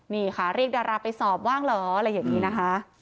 นี่ค่ะเรียกดาราไปสอบว่างเหรออะไรอย่างนี้นะคะ